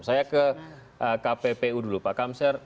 saya ke kppu dulu pak kamser